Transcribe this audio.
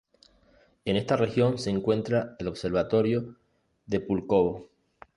En esta región se encuentra el Observatorio de Púlkovo.